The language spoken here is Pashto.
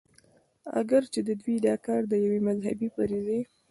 اګر چې د دوي دا کار د يوې مذهبي فريضې